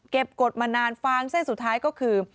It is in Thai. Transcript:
กฎมานานฟางเส้นสุดท้ายก็คือ